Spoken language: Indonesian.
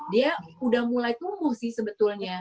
dia udah mulai tumbuh sih sebetulnya